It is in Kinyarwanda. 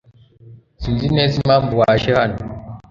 Sinzi neza impamvu waje hano.